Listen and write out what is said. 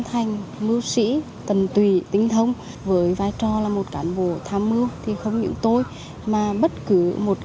thành mưu sĩ tần tùy tinh thông với vai trò là một cán bộ tham mưu thì không những tôi mà bất cứ một